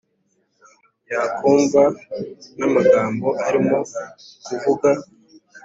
yakumva namagambo arimo kuvuga